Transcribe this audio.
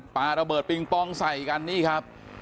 ปลาระเบิดปิงปองใส่กันนี่ครับ